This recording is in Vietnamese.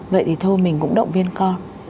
vậy thì thôi mình cũng động viên con